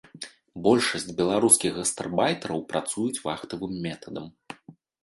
Большасць беларускіх гастарбайтараў працуюць вахтавым метадам.